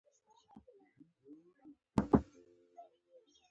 ناول د انسان د روح ابدي پوښتنې منعکسوي.